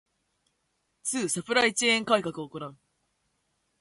ⅱ サプライチェーン改革を行う